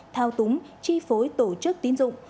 thao túng chi phối tổ chức tiến dụng